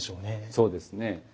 そうですね。